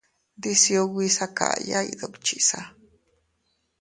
Ndisiubi sakaya iydukchisa.